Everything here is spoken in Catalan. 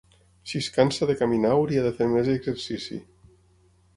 Si es cansa de caminar hauria de fer més exercici.